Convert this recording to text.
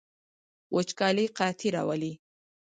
وچکالي قحطي راوړي